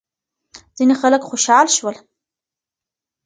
ځینې خلک خوشحال شول.